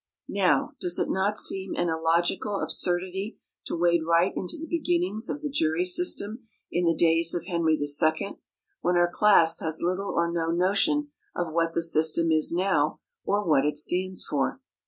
Now, does it not seem an illogical absurdity to wade right into the beginnings of the jury system in the days of Henry II when our class has little or no notion of what the system is now, or what it stands for?